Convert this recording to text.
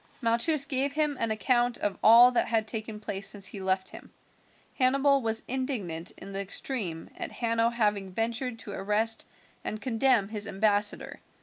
Malchus gave him an account of all that had taken place since he left him. Hannibal was indignant in the extreme at Hanno having ventured to arrest and condemn his ambassador.